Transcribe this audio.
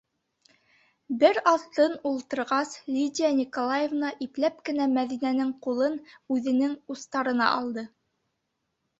Бер аҙ тын ултырғас, Лидия Николаевна ипләп кенә Мәҙинәнең ҡулын үҙенең устарына алды: